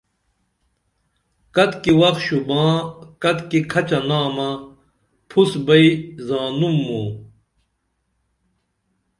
کتِکی وخ شُباں کتِکی کھچہ نامہ پُھس بئی زانُم موں